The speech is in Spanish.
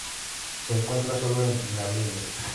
Se encuentra sólo en Namibia.